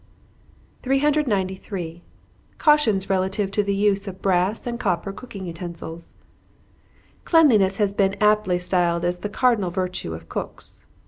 393. Cautions relative to the use of Brass and Copper Cooking Utensils. Cleanliness has been aptly styled the cardinal virtue of cooks.